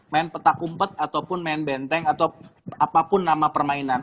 main peta kumpet ataupun main benteng atau apapun nama permainan